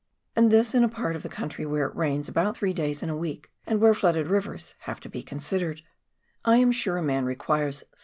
And this in a part of the country where it rains about three days in a week, and where flooded rivers have to be con sidered. I am sure a man requires